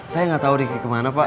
saya gak tau rifki kemana pak